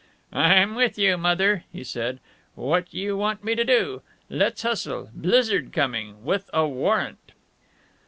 "I'm with you, Mother," he said. "What you want me to do? Let's hustle. Blizzard coming with a warrant."